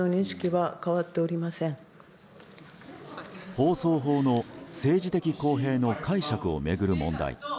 放送法の政治的公平の解釈を巡る問題。